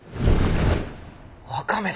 ワカメだ！